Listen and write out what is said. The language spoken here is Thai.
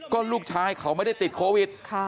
ก็ลูกชายเขาไม่ได้ติดโควิด